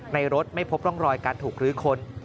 รถไม่พบร่องรอยการถูกลื้อค้น